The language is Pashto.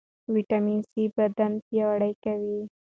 ویټامین سي بدن پیاوړی کوي.